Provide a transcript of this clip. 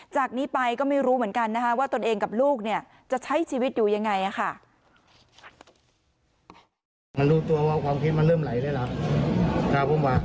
จากนี้ไปก็ไม่รู้เหมือนกันว่าตนเองกับลูกจะใช้ชีวิตอยู่อย่างไรค่ะ